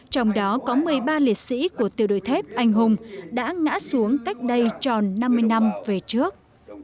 trong đó có một mươi ba liệt sĩ của tiểu đội thép anh hùng đã ngã xuống cách đây tròn năm mươi năm về trước